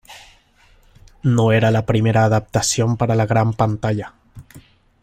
No era la primera adaptación para la gran pantalla.